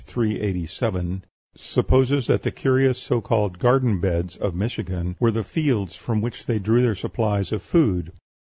387) supposes that the curious so called "Garden Beds" of Michigan were the fields from which they drew their supplies of food.